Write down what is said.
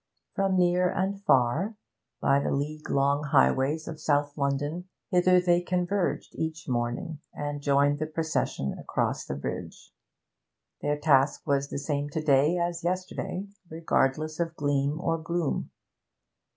From near and far, by the league long highways of South London, hither they converged each morning, and joined the procession across the bridge; their task was the same to day as yesterday, regardless of gleam or gloom.